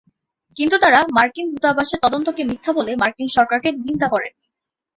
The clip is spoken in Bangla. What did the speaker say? কিন্তু তারা মার্কিন দূতাবাসের তদন্তকে মিথ্যা বলে মার্কিন সরকারের নিন্দা করেনি।